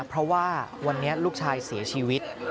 เพราะว่าวันนี้ลูกชายเสียชีวิต